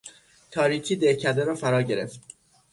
تاریکی دهکده را فرا گرفت.